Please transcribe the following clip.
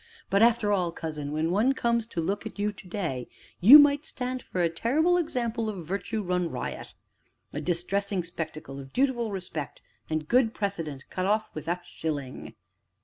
But after all, cousin, when one comes to look at you to day, you might stand for a terrible example of Virtue run riot a distressing spectacle of dutiful respect and good precedent cut off with a shilling.